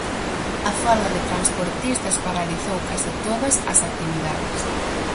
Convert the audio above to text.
A folga de transportistas paralizou case todas as actividades.